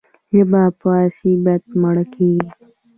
ژبه په عصبیت مړه کېږي.